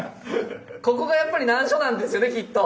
ここがやっぱり難所なんですよねきっと。